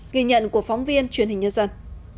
ghi nhận của phóng viên truyền hình nhân dân